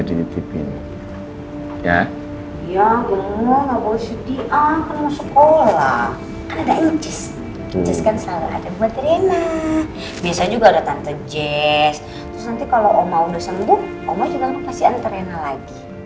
terus nanti kalau oma udah sembuh oma juga pasti antar rena lagi